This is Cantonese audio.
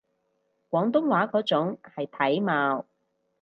廣東話嗰種係體貌